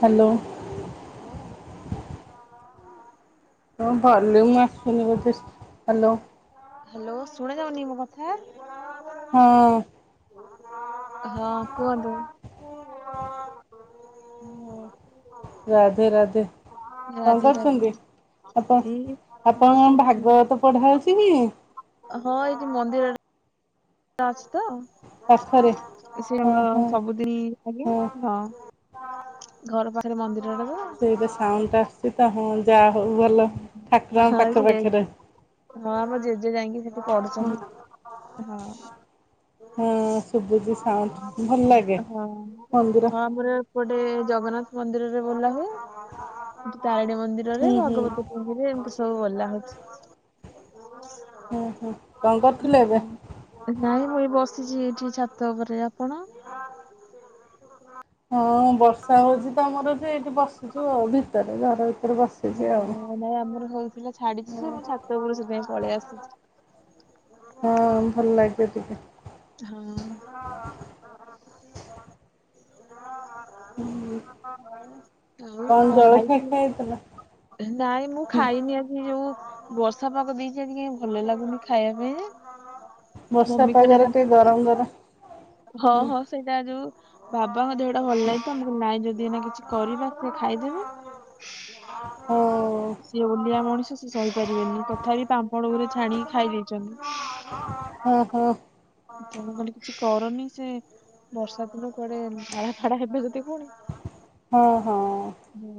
Hello hello. ହଁ ଭଲ [unintelligible] hello. Hello ଶୁଣା ଯାଉନି ମୋ କଥା? ହଁ। ହଁ କୁହନ୍ତୁ? ରାଧେ ରାଧେ କଣ ରାଧେ କରୁଛନ୍ତି? ରାଧେ। ଆପଣ ଏଇ ଆପଣ ବସିଛି ଭାଗବତ ପଢ଼ା ଚିକି। ହଁ ଏଇଠି ମନ୍ଦିର। ଅଛି ତ। ପାଖରେ? ସେ ହଁ ଆମର ହଁ ସବୁଦିନ ହଁ। ଘର ପାଖରେ ମନ୍ଦିର? ସେଇଟା ସାଉଣ୍ଡଟା ଆସୁଛି ତ ହଁ ଯାହା ହଉଁ ଭଲ ଠାକୁରଙ୍କ ହଁ ପାଖ ସେ ପାଖରେ ହଁ ଆମ ଜେଜେ ଯାଇକି ସେଠି ହୁଁ ପଢୁଛନ୍ତି ହଁ। ହଁ। ଶୁଭୁଛି ସାଉଣ୍ଡ ଭଲ ଲାଗେ ହଁ ହଁ ମନ୍ଦିର ଆମର ଗୋଟେ ଜଗନ୍ନାଥ ମନ୍ଦିରରେ ବୋଲା ହୁଏ। ତାରିଣୀ ହୁଁ ମନ୍ଦିରରେ ହୁଁ ଭାଗବତ ପୂର୍ବ ରୁ ଏମିତି ସବୁ ବୋଲା ହଉଛି। ହୁଁ ହୁଁ କଣ କରୁଥିଲେ ଏବେ? ନାଇଁ ବସିଛି ଏଠି ଛାତ ଉପରେ ଆପଣ? ହଁ ବର୍ଷା ହଉଛି ତ ଆମର ବି ଏଇଠି ବସିଛୁ ଆଉ ଭିତରେ ଘର ଭି ଓହ ନାଇଁ ଆମର ହଉଥିଲା ଛାଡିଛି ଯେ ମୁଁ ଛାତ ଉପରକୁ ସେଥିପାଇଁ ପଳେଇ ଆସୁଛି। ହଁ ଭଲ ଲାଗେ ଟିକେ ହଁ ହଁ। ହୁଁ। ଆଉ କଣ ଖାଇଥିଲ? ଖାଇଥିଲି ନାଇଁ ମୁଁ ଖାଇନି ଆଜି ଯୋଉ ବର୍ଷା ପାଗ ଦେଇଚି ଆଜି କାଇଁ ଭଲ ଲାଗୁନି ଖାଇବା ପାଇଁ। ବର୍ଷା ମମି ଖାଲି ପାଗରେ ଟିକେ ଡାକୁଚି ଗରମ ଗରମ ହଁ ହଁ ସେଇଟା ଯୋଉ ବାବାଙ୍କ ଦେହଟା ଭଲ ନାହିଁତ ନାଇଁ ଯଦି ସିଏ ଏନା କିଛି କରିବା ସିଏ ଖାଇଦେବ ହଁ ସିଏ ଓଲିଆ ମଣିଷ କିଛି ସହିପାରିବେନି ତଥାପି ପାମ୍ପଡ଼ ଗୁରେ ଛାଣିକି ଖାଇ ଦେଇଛନ୍ତି। ହଁ ହଁ। କରନି ସେ ବର୍ଷା ଦିନ କୁଆଡେ ଧାଡା ଫାଡା ହେବେ ଯଦି ପୁଣି ହଁ ହଁ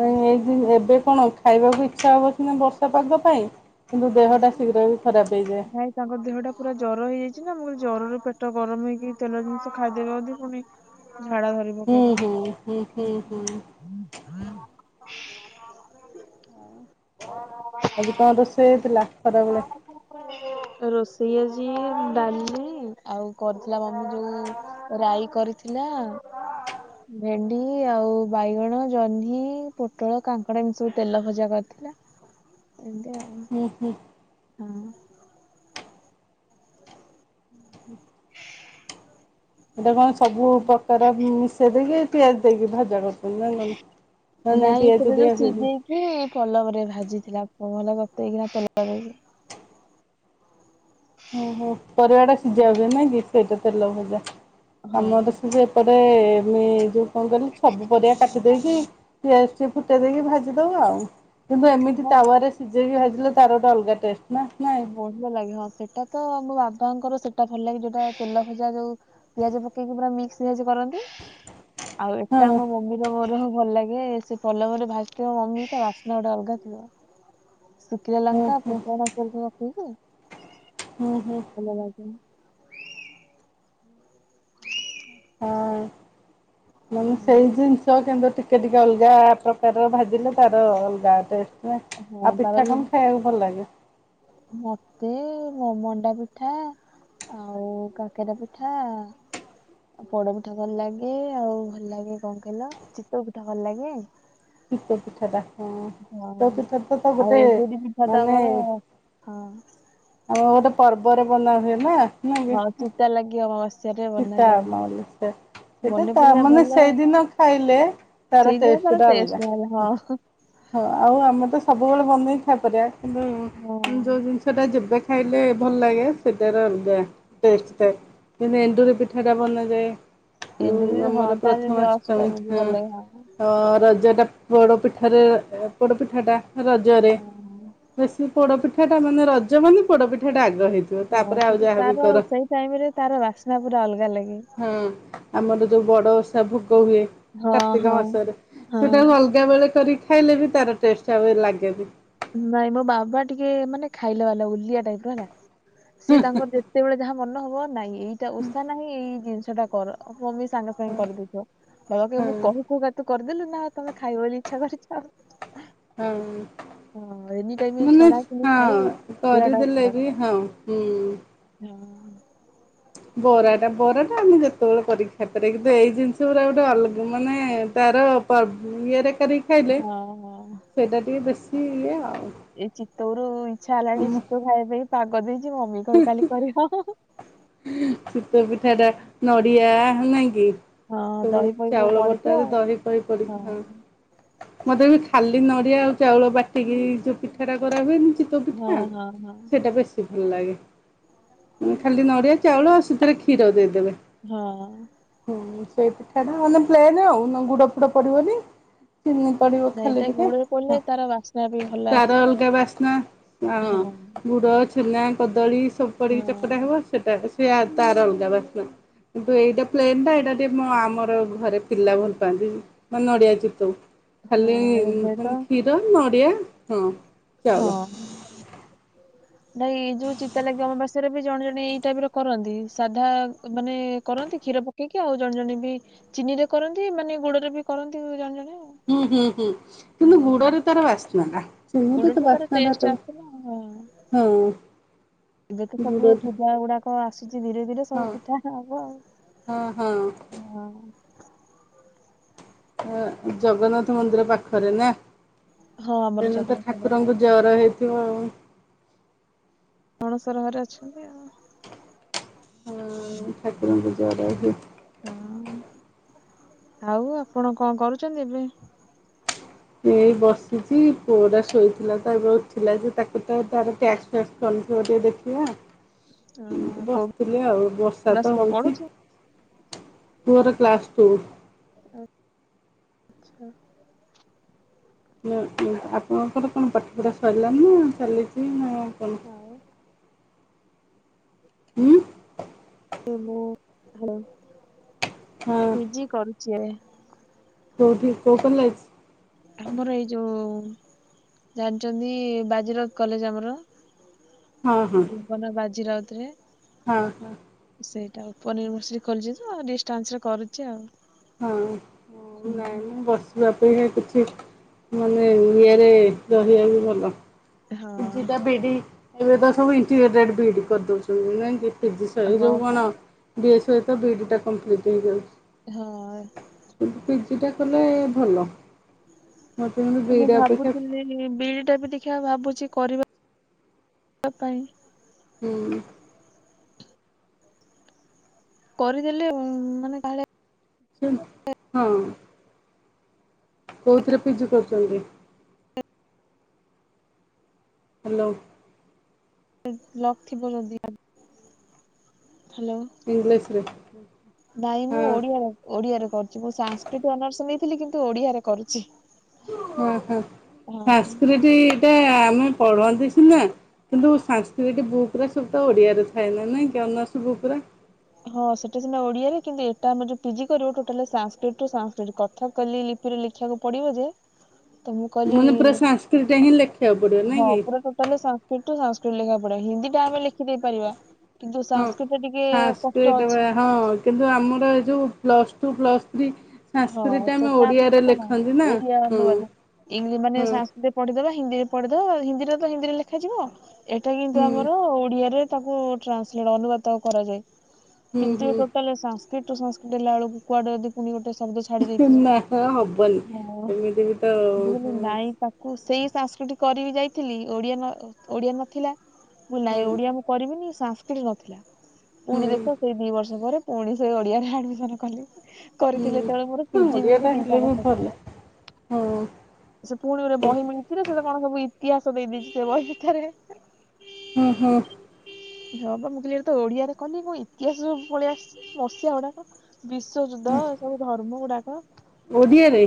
ନାଇଁ ଏଇ ଦିନ ଏବେ କଣ ଖାଇବାକୁ ଇଚ୍ଛା ହବ ସିନା ବର୍ଷା ପାଗ ପାଇଁ। କିନ୍ତୁ ଦେହଟା ଶୀଘ୍ର ବି ଖରାପ ହେଇଯାଏ ଭାଇ ତାଙ୍କ ଦେହଟା ପୁରା ଜର ହେଇଯାଇ କିଛିନା ମୁଁ କହିଲି ଜରରେ ପେଟ ଗରମ ହେଇକି ତେଲ ଜିନିଷ ଖାଇଦେଲି ବୋଧେ ପୁଣି ଝାଡା ଧରି ହୁଁ ପକେଇବା। ହୁଁ ହୁଁ ହୁଁ ହୁଁ। ହୁଁ ଆଜି କଣ ରୋଷେଇ ହେଇଥିଲା? ଖରାବେଳେ? ରୋଷେଇ ଆଜି ଡାଲି ଆଉ କରିଥିଲା ମାମି ଯୋଉ ରାଇ କରିଥିଲା। ଭେଣ୍ଡି ଆଉ ବାଇଗଣ ଜହ୍ନି ପୋଟଳ କାଙ୍କଡା ଏମିତି ସବୁ ତେଲ ଭଜା କରିଥି ଥିଲା ଏମିତି ଆଉ। ହୁଁ ହୁଁ। ହଁ। ଏଇଟା କଣ ସବୁ ପ୍ରକାର ମିଶେଇ ଦେଇକି ପିଆଜ ଦେଇକି ଭାଜା କରୁଛନ୍ତି ନା ନୁ ନାଇଁ ସେଟା ଯୋଉ ସିଝେଇକି ପଲବରେ ଭାଜିଥିଲା [unintelligible] କିନା ତେଲ ଦେଇକି । ଓହୋ ପରିବାଟା ସିଝି ଯାଉଥିବ ନାଇକି ସେଇଟା ତେଲ ଭଜା ହଁ ଆମର ସେ ଏପ ଏ ମି ଯୋଉ କଣ କିଲୁ ସବୁ ପରିଆ କା ଦେଇକି ପିଆଜଟେ ଫୁଟେଇ ଦେଇକି ଭାଜି ଦବୁ ଆଉ କିନ୍ତୁ ଏମିତି ହଁ ତାୱାରେ ସି ବି ଭାଜିଲେ ତାର ଗୋଟେ ଅଲଗା ଟେଷ୍ଟ। ନା ନାଇଁ। ବୋଲ ଲାଗେ ହ ସେଟା ତ ଆମ ବାବାଙ୍କର ସେଇଟା ଭଲ ଲାଗେ ଯୋଉଟା ତେଲ ଭଜା ଯୋଉ ପିଆଜ ପକେଇକି ପୁରା ମିକ୍ସି ଭେଜ କରନ୍ତି। ହଁ ଆଉ ଏଟା ଆମ ମମିର ମୋର ଭଲ ଲାଗେ ସେ ପଲବରେ ଭାସିଥିବ ମମି ତା ବାସ୍ନା ଗୋଟେ ଅଲଗା ଥିବ। ଶୁଖିଲା ହଁ ଲଙ୍କା ହଁ ଫୁଟଣ [unintelligible] ଦେଇକି ହୁଁ ହୁଁ ଭଲ ଲାଗେ। ହଁ ମାନେ ସେଇ ଜିଜିଷ କିନ୍ତୁ ଟିକେ ଟିକେ ଅଲଗା ପ୍ରକାର ଭାଜିଲେ ତାର ଅଲଗା ଟେଷ୍ଟ। ଅ ହଁ ଆଉ ହଁ, ତାପରେ ପିଠା କଣ ଖାଇବାକୁ ଭଲ ଲାଗେ? ମତେ ମ-ମଣ୍ଡା ପିଠା। ଆଉ କାକେରା ପିଠା। ପୋଡ ପିଠା ଭଲ ଲାଗେ ଆଉ ଭଲ ଲାଗେ କଣ କହିଲ ଚିତଉ ପିଠା ଭଲ ଲାଗେ। ଚିତଉ ପିଠାଟା। ହଁ ଚିତ ପିଠାତ ଆଉ ଗୋଟେ ଏଣ୍ଡୁରି ପିଠା ତ ମାନେ ଆମର ହଁ ଆମର ଗୋଟେ ପର୍ବରେ ବନା ହୁଏନା। ହଁ ଚିତା ଲାଗିି ଅମାବା ସେଟା ମଲ ସେ ସେଇଟା ମନେ ତା ପଡିଲା ମାନେ ଭଲ ସେଇଦିନ ଖାଇଲେ ତାର ସେଇଦିନ ଟେଷ୍ଟଟା ଟେଷ୍ଟ ଅଲଗା। ବାହାରିଲା ହଁ ହଁ ଆଉ ଆମେ ତ ସବୁବେଳେ ବନେଇକି ଖାଇପାରିବା କିନ୍ତୁ ହଁ ଯୋଉ ଜିନିଷଟା ଯେବେ ଖାଇଲେ ଭଲ ଲାଗେ, ସେଇଟାର ଅଲଗା ଟେଷ୍ଟଟା ଯେନ୍ତି ଏ ଣ୍ଡୁରି ପିଠାଟା ବନାଯାଏ ଏଣ୍ଡୁରି ଯୋଉ ହଁ ଆମର ତାର ଯେମିତି ପ୍ରଥମାଷ୍ଟମୀ ଅଷ୍ଟମୀ କୁ ହଁ ଭଲ ଲାଗେ ହଁ। ରଜଟା ପୋଡ଼ପିଠାରେ ପୋଡପିଠାଟା, ରଜରେ ହଁ। ବେଶୀ ପୋଡ ପିଠା ପିଠାଟା ମାନେ ରଜ ମାନେ ପୋଡପିଠାଟା ଆଗ ହେଇଥିବ, ହଁ ତାପରେ ଆଉ ସେଟା ଯାହାବି ତାର କର ସେଇ ଟାଇମ ରେ ତାର ବାସ୍ନା ପୁରା ଅଲଗା ଲାଗେ ହଁ। ଆମର ଯୋଉ ବଡ ଓଷା ଭୋଗ ଗ ହୁଏ ହଁ କାର୍ତ୍ତିକ ହଁ। ମାସରେ, ହଁ ସେଇଟାକୁ ଅଲଗା ବେଳେ କରି ଖାଇଲେ ବି ତାର ଟେଷ୍ଟ ଆଉ ଏ ଲାଗେନି। ନାଇଁ ମୋ ବାବା ଟିକେ ମାନେ ଖାଇଲା ବାଲା, ଓଲିଆ ଟାଇପର ହେଲା ସିଏ ତାଙ୍କର ଯେତେବେଳେ ଯାହା ମନ ହବ, ନାଇଁ ଏଇଟା ଓଷା ନାହିଁ ଏଇ ଜିନିଷଟା କର। ମମିସ୍ ସାଙ୍ଗେ ସାଙ୍ଗେ କରିଦେଇଥିବ। କହିବ କି ହଁ ମୁଁ କହୁ କହୁକା ତୁ କରିଦେଲୁ ନାଁ ତମେ ଖାଇବ ବୋଲି ଇଚ୍ଛା କରିଛ ଆଉ। ହଁ ହୁଁ। ଟାଇମ ମାନେ ଛଣା ଛଣି ଖାଇ ହଁ। ଦେହଟା କରିଦେଲେ ଖରାପ ବି ହଁ ହୁଁ। ହଁ। ବରାଟା, ବରାଟା ଆମେ ଯେତେବେଳେ କରିକି ଖାଇପାରିବା କିନ୍ତୁ ଏଇ ଜିନିଷ ଗୁରା ଗୋଟେ ଅଲଗ ମାନେ ତାର କ୍ଷୀର ପା ବୁ ଇଏରେ କରିକି ହଁ। ଖାଇଲେ ହଁ ସେଇଟା ଟିକେ ବେଶୀ ଇଏ ଆଉ। ତୋର ଇଚ୍ଛା ହେଲାଣି ଆମ ଚିତଉ ଖାଇବା ପାଇଁ, ପାଗ ଦେଇଛି ମମିକି କହିବି କାଲି କରିବ। ଚିତଉ ପିଠାଟା ନଡ଼ିଆ ନାଇଁକି ହଁ ସବୁ ଦହି ଫହି ସବୁ ଚାଉଳ ପଡିଥିବ ବଟାରେ ଦହି ଫହି ପଡିକି ହଁ। ମତେ ବି ଖାଲି ନଡିଆ ଆଉ ଚାଉଳ ବାଟିକି ଯୋଉ ପିଠାଟା କରା ହୁଏନି ଚିତଉ ହଁ ପିଠା ହଁ ହଁ। ସେଇଟା ବେଶୀ ଭଲ ଲାଗେ। ଉଁ ଖାଲି ନଡ଼ିଆ ଚାଉଳ ସେଥିରେ କ୍ଷୀର ଦେଇଦେବେ ହଁଅ। ହୁଁ ସେଇ ପିଠାଟା ମାନେ ପ୍ଲେନ ଆଉ। ନ ଗୁଡ ଫୁଡ ପଡିବନି ଚିନି ପଡିବ ନାଇଁ ଖାଲି ଏଇଟା ଟିକେ, ଗୁଡରେ ତା ପଡିଲେ ତାର ବାସ୍ନା ବି ଭଲ ତାର ଆସେ ଅଲଗା ବାସ୍ନା ହଁ। ଗୁଡ, ଛେନା, କଦଳୀ ସବୁ ପଡିକି ହଁ ଚକଟା ହବ। ସେଇଟା ସେ ତାର ଅଲଗା ବାସ୍ନା। କିନ୍ତୁ ଏଇଟା ପ୍ଲେନ୍ ଟା ଏଇଟା ଟିକେ ଆମର ଘରେ ପିଲା ଭଲ ପାଆନ୍ତି। ବା ନଡ଼ିଆ ଚିତଉ। ଖାଲି ହଁ ଏବେ ତ ମାନେ କ୍ଷୀର, ନଡ଼ିଆ ହଁ ଚାଉଳ। ହଁ ନାଇଁ ଏଇ ଯୋଉ ଚିତାଲାଗି ଅମବାସ୍ୟାରେ ବି ଜଣେ ଜଣେ ଏଇ ଟାଇପର କରନ୍ତି। ସାଧା ମାନେ କରନ୍ତି କି କ୍ଷୀର ପକେଇକି, ଆଉ ଜଣେ ଜଣେ ବି ଚିନିରେ କରନ୍ତି, ମାନେ ଗୁଡରେ ବି କରନ୍ତି ଜଣେ ଜଣେ। ଆଉ। ହୁଁ ହୁଁ ହୁଁ। କିନ୍ତୁ ହଁ ଗୁଡ଼ରେ ତାର ବାସ୍ନାଟା। ଚିନି ତ ତା ଗୁଡରେ ତାର ବାସ୍ନାଟା ଏ ଟେଷ୍ଟ ଆସେ ନା ହଁ। ତାକୁ ହଁ। ଏବେ ତ ସବୁ ଗୁଡରେ ପୂଜା ଗୁଡାକ ଆସ କିଚି ଧୀରେ ଧୀରେ ସବୁ ହଁ ପିଠା ହବ ଆଉ ହଁ ହଁ ହଁ। ହଁ ଜଗନ୍ନାଥ ମନ୍ଦିର ପାଖରେ ନା? ହଁ ଆମର ସେଦିନ ତ ଜଗନ୍ନାଥ ମନ୍ଦିର ଠାକୁରଙ୍କୁ ଜ୍ଵର ହେଇଥିବ ଆଉ। ଅଣସର ଘରେ ଅଛନ୍ତି ଆଉ। ହଁ ଠାକୁରଙ୍କୁ ଜ୍ୱର ହୁଏ। ହଁ। ଆଉ ଆପଣ କଣ କରୁଚନ୍ତି ଏବେ? ଏଇ ବସିଚି। ପୁଅଟା ଶୋଇଥିଲା ତ ଏବେ ଉଠିଲା ଯେ ତାକୁ ତ ତାର ଟ୍ୟାସ୍କ ଫ୍ୟାସ୍କ କଲ [unintelligible] ଟିକେ ଦେଖିବା, ଓହୋ କୋଉ ବସିଥିଲି ଆଉ। ବର୍ଷା କ୍ଲାସ୍ ତ ପୁଅ ହଉଛି ପଢୁଛି? ପୁଅର କ୍ଲାସ ଟୁ। ଆ-ଚ୍ଛା। ନାଁ ଉଁ ଆପଣଙ୍କର କଣ ପାଠ ପଢ଼ା ସରିଲାନି ନା ଚାଲିଚି ନା କଣ? ଆଉ ଉଁ। ଏବ ମୁଁ ହଁ ପିଜି କରୁଛି। କଉଠି କୋଉ କଲେଜ? ଆମର ଏଇ ଯୋଉ ଜାଣିଛନ୍ତି ବାଜିରାଉତ କଲେଜ ଆମର ହଁ ହଁ ଜୀବନ ବାଜି ରାଉତ ରେ ହଁ ହଁ। ସେଇଟା ଉପନିର ମସ୍ରୀ ଖୋଲିଛି ତ ଆଉ ଡିଷ୍ଟାନ୍ସରେ କରୁଛି ଆଉ। ହଁ ହୁଁ। ନାଇଁ ମୁଁ ବସିବାକୁ ସେଏ କିଛି ମାନେ ନିଆଁରେ ରହିବା ବି ଭଲ। ହଁ ଯିବା ବିଡି ଏବେ ତ ସବୁ ଇନିମେଣ୍ଟ ବିଡ଼ି କରି ଦେଉଛନ୍ତି ନାଇଁ କି? ପିଜି ସ ଏ ହଁ ଯୋଉଁ ପା ବନ ବି ଏ ସହିତ ବି ଡ଼ିଟା କମ୍ପ୍ଲିଟ୍ ହେଇଯାଉଛି। ହଁ। ଲେ ଭଲ। ମୋତେ କିନ୍ତୁ ମୁଁ ବିଇଡି ଅପେକ୍ଷା ଭାବୁଥିଲି ବିଡି ଟା ବି ଦେଖିବା ଭାବୁଛି କରିବା ପାଇଁ ହୁଁ। କରିଦେଲେ ମାନେ କାଳେ ହଁ। କୋଉଥିରେ ପିଜି କରୁଛନ୍ତି? ହାଲୋ। ଲକ୍ ଥିବ ଯଦି। ହ୍ୟାଲୋ। ଇଂଲିଶ ରେ। ନାଇଁ ମୁଁ ଓଡିଆ ଓଡିଆରେ କରୁଛି ମୁଁ ସାଂସ୍କୃତିକ ଅନର୍ସ ନେଇ ଥିଲି କିନ୍ତୁ ଓଡିଆରେ କରୁଛି। ଓହୋ ହଁ ସଂସ୍କୃତି ଏଟା ଆମ ପଢୁଅନ୍ତି ସିନା କିନ୍ତୁ ସାଂସ୍କତିକ ବୁକ୍ ଉରା ସବୁ ତ ଓଡିଆରେ ଥାଏ ନା ନାଇଁ କି ଅନଶ୍ର ପୁରା ହଁ ସେଟା ସିନା ଓଡିଆରେ କିନ୍ତୁ ଏଟା ଆମେ ଯୋଉ ପିଜି କରିବୁ ଟୋଟାଲ ସାଂସ୍କିଟ ଟୁ ସାସ୍କିଟ କଥା ରେ ଲେଖିବାକୁ ପଡିବ ଯେ ତ ମୁଁ କହିଲି ମାନେ ପୁରା ସଂସ୍କିଟଟା ହିଁ ଲେଖିବାକୁ ପଡିବ ନାଇଁ କି? ସଂସ୍କୃତ ଲେଖା ପଡିବ ହିନ୍ଦୀ ଟା ଆମେ ଲେଖି ଦେଇ ପାରିବା କିନ୍ତୁ ହଁ ସଂସ୍କିଟଟା ଟିକେ କଷ୍ଟ ସାଂସ୍କ୍ରିଟ ଅଛି ହଁ କିନ୍ତୁ ଆମର ଏ ଯଉ ପ୍ଲସ୍ ଟୁ ପ୍ଲସ୍ ଥ୍ରୀ ହଁ ସଂସ୍କୃତି ଟା ଆମେ ସେଟା ଓଡିଆରେ ଲେଖନ୍ତି ନା ହଁ ଇଂ ମାନେ ହଁ ସାଂସ୍କିଟ ପଢିଦେବେ ହିନ୍ଦୀରେ ପଢିଦବ ହିନ୍ଦୀରେ ତ ହିନ୍ଦୀରେ ଲେଖାଯିବ ଏଇଟା କିନ୍ତୁ ହୁଁ ଆମର ଓଡିଆରେ ତାକୁ ଟ୍ରାନ୍ସଲେଟ ଅନୁବାଦ କରାଯାଏ ହୁଁ କିନ୍ତୁ ହୁଁ ଟୋଟାଲ କୀଟ ସଂସ୍କିଟି ନେଲାବେଳକୁ ଲାେଳ କୁଡେ ଯଦି ପୁଣି ଗୋଟେ ଶବ୍ଦ ଛାଡି ଦେଇଥିବେ ନା ହବନି ଏମିତି ବି ତ ମୁଁ ହଁ ନାଇଁ ତାକୁ ସେଇ ସାଂସ୍କୃଟି କରିବି ଯାଇଥିଲି ଓଡିଆ ଓଡିଆ ନଥିଲା ଭୁଲିରେ ହୁଁ ଓଡିଆ ମୁଁ କରିବିନି ସାଂସ୍କିଟ ନଥିଲା ପୁଣି ହୁଁ ଦେଖ ସେଇ ଦି ବର୍ଷ ପରେ ପୁଣି ସେ ଓଡିଆରେ ଆଡମିସନ କଲି। କରିଥିଲେ। ହୁଁ ସେତେବେଳେ ମୋର ପିଜି ଓଡ଼ିଆ ବିଡି ଟା ହେଲେ ଦିଟାଙ୍କ ବି ଭଲ ହଁ ସେ ପୁଣି ଗୋଟେ ବହି ମିଳିଛି ସେଟ କଣ ସବୁ ଇତିହାସ ଦେଇଦେଇଛି ସେ ବହି ଭିତରେ ହୁଁ ହୁଁ। ହଁ ବା ମୁଁ କ ତ ଓଡିଆରେ କହଲିି ମୁଁ ଇତିହାସ ଯୋ ପଳେଇଆସିଛି ମସିଆ ଗୁଡାକ ବିଶ୍ୱଯୁଦ୍ଧ ଏ ସବୁ ଧର୍ମ ଗୁଡାକ ଓଡ଼ିଆରେ।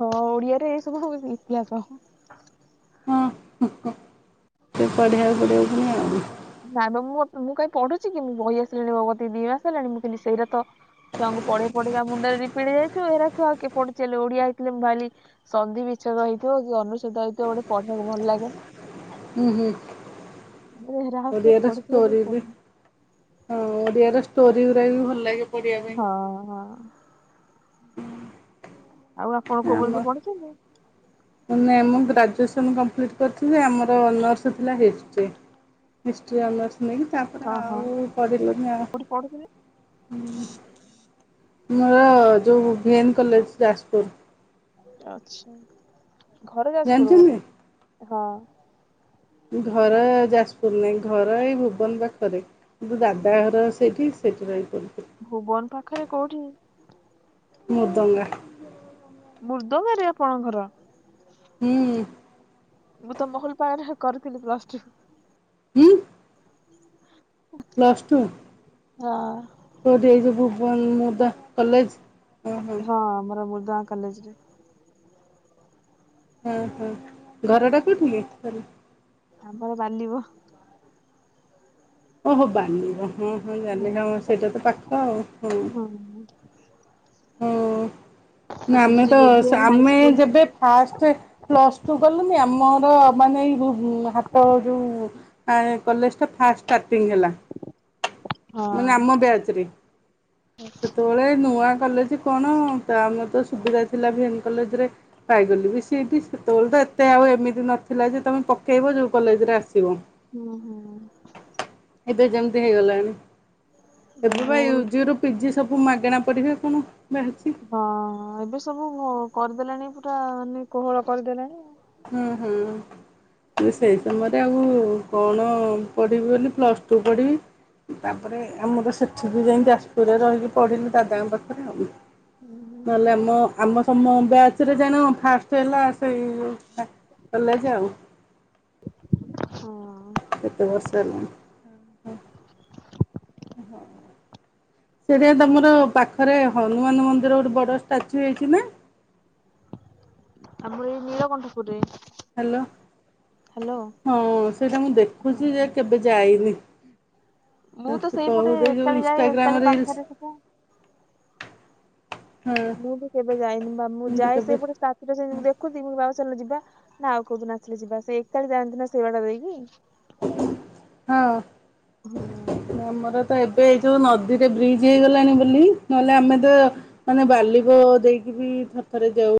ହଁ ଓଡିଆରେ ଏ ସବୁ ଇତିହାସ। ହଁ ପଢ଼ିଆକୁ ପଡିବ ପୁଣି ଆଉ ନାଇଁ ବା ମୁଁ ମୁଁ କାଇଁ ହିଁ ପଢୁଛି କି ମୁଁ ବହି ଆସିଲାଣି ଭଗବତୀ ଦିଇ ମାସ ହେଲାଣି ମୁଁ କିନ୍ତି ସେଇଟା ତ ଛୁଆ ପଢେଇ ପଢେଇ ମୁଣ୍ଡ ପିଢ ଯାଇଛୁ ଏଲେ ଓଡିଆ ହେଇଥିଲେ ମୁ ଭଲି ସନ୍ି ବିଛଦ ହେଇଛି ଅନୁତତ ଗୋଟେ ପଢିବାକୁ ଭଲ ଲାଗେ । ହୁଁ ହୁଁ। ହେରା ଆଉ କିଏ ଓଡ଼ିଆ ର ପଢୁଛି ବୋଲି ମୁଁ ଷ୍ଟୋରି ବି ପଢୁନି। ହଁ ଓଡ଼ିଆ ଷ୍ଟୋରି ଗୁା ବି ଭଲ ଲାଗେ ହଁ ହଁ। ହୁଁ। ଆଉ ଆପଣ କୋଉ ଆମ ପର୍ଯ୍ୟନ୍ତ ପଢିଛନ୍ତି? ମୁ ଏମ କମ୍ପ୍ଲିଟ୍ କରିଛି ଯେ ଆମର ଅନର୍ସ ଥିଲା ହିଷ୍ଟ୍ରି ହିଷ୍ଟ୍ରି ଅନର୍ସ ନେଇକି ତାପରେ ହଁ ହଁ ଆଉ କରିଲନି ଆ କୋଉଠି ପଢୁଥିଲେ? ହୁଁ। ମୋର ଯୋଉ ଭିଏନ କଲେଜ ଯାଜପୁର। ଆଛା ଘର ଯାଜପୁର ଜାଣିଛନ୍ତି? ବଧେ ହଁ। ଘର ଯାଜପୁର ନାାଇଁ ଘର ଏଇ ଭୁବନ ପାଖରେ କିୁ ଦାଦା ଘର ସେଇଠି ସେଟ୍ରାଇ କର ଭୁବନ ପାଖରେ କୋଉଠି? ମରଦଙ୍ଗା। ମୃଦବାରେ ଆପଣଙ୍କର? ହୁଁ। ମୁଁ ତ ମହଲ ପା ନା କରିଥିଲି ପ୍ଲସ ଥ୍ରି। ହୁଁ। ପ୍ଲସ ଟୁ ହଁ ତ ଦେଇ ଏଇ ଜଉ ଭୁବନ ମୁଦା କଲେଜ୍ ହଁ ହଁ। ଗା କଲେଜରେ। ହଁ ହଁ ଘରଟା କୋଉଠି କି? ତାପରେ ବାଲିବ ଓହୋ ବାଧିବ ହଁ ହଁ ଜାଲ ସେଇଟା ତ ପାଖ ଆଉ ହଁ। ହୁଁ ହୁଁ। ଆଉ ନା ସେଠି ଆମେ ଯୋଉ ତ ଜେଭିୟର ଆମେ ହାଇସ୍କୁଲରେ ଯେବେ ଫାଷ୍ଟ ପ୍ଲସ୍ ଟୁ କଲୁନ ଆମର ମାନେ ଏଇ ହାତ ଯୋଉ କଲୋ ଫଟି ହେଲା। ମାନେ ଆମ ବ୍ୟାଜ ରେ ସେତେବେଳେ ନୂଆ କଲେଜ ଯେ କଣ ତା ମର ତ ସୁବିଧା ଥିଲା ବି ଏନ୍ କଲେଜ ରେ ପାଇଗଲି ବି ସେିଠି ତୋ ବଲେ ତ ଏତେ ଆଉ ଏମିତି ନଥିଲା ଯେ ତୁମେ ପକାଇବ ଯେଉଁ କଲେଜରେ ଆସିବ। ହୁଁ ହୁଁ। ଏବେ ଯେମିତି ହେଇଗଲାଣି ଏ ଏବେ ମୁଁ ବାୟ ସବୁ ମାଗଣା ପଡିବେ କଣ? ବାହାରିଛି ହଁ ଏବେ ସବୁ କରିଦେଲାଣି ପୁରା କୋହଳ କରିଦେଲାଣି। ହୁଁ ହୁଁ। ସେଇ ସମୟରେ ଆଉ କଣ ପଢିବି ବୋଲି ପ୍ଲସ ଟୁ ପଢିବି ତାପରେ ଆମର ସେଠି ବି ଯାଇ ଯାଜପୁରରେ ରହିଲି ପଢିଲି ଦାଦାଙ୍କ ପାଖରେ ଆଉ। ନହେଲେ ଆମ ଆମ ସମ ବ୍ୟାଚ ରେ ଜାଣ ଫାଷ୍ଟ ହେଲା ସେଇ ଅଲା ଯଉ। ହଁ ଏତେ ଭର୍ଷାଲା। ହଁ। ସେଟା ତମର ପାଖରେ ହନୁମାନ ମନ୍ଦିର ଗୋଟେ ବଡ ଷ୍ଟାଚୁ ହେଇଛି ନା? [inaudible] ଆମ ଏଇ ନୀଳକଣ୍ଠପୁର ରେ। ହ୍ୟାଲୋ ହଁ ସେଇଟା ମୁଁ ଦେଖୁଛି ଯେ କେବେ ଯାଇନି। ମୁଁ ତ ସେଇପଟେ କହୁଛ ଯୋଉ ଏକାଳି ଯାଏ ଇନଷ୍ଟାଗ୍ରାମ ଏକାଳି ରିଲ୍ସ ପାଖରେ ସେଠା। ହଁ ମୁଁ ବି କେବେ ଯାଇନି ବା ମୁଁ କିନ୍ତୁ ଯାଏ କେବେ ସେ ପଟେ ସାଥିା ସେ ମୁଁ ଦେଖୁି ମୋ ବା ଲ ଯିବା ନା ଆଉ କୋଉଠିନ ନ ଆଥିଲେ ଯିବା ସେ ଏକତା ଯାଆନ୍ତି ନା ସେଇବାଟା ଦେଇକି। ହଁ ହୁଁ। ଆମର ତ ଏବେ ଏ ଯୋଉ ନଦୀରେ ବ୍ରିଜ୍ ହେଇଗଲାଣି ବୋଲି ନହେଲେ, ଆମେ ତ ମାନେ ବାଲିବ ଦେଇକି ବି ଥରେ ଥରେ ଯାଉ ।